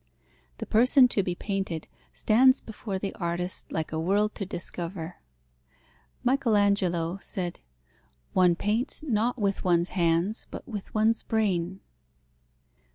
The person to be painted stands before the artist like a world to discover. Michael Angelo said, "one paints, not with one's hands, but with one's brain."